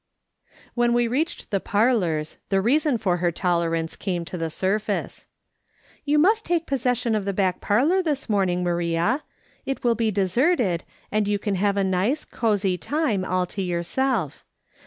"When we reached the parlours, the reason for her tolerance came to the surface : "You must take possession of the back parlour this morning, Maria. It will be deserted, and you can have a nice, cosy time all to yourself.